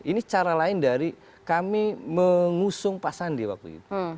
ini cara lain dari kami mengusung pak sandi waktu itu